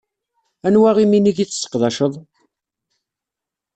Anwa iminig i tseqdaceḍ?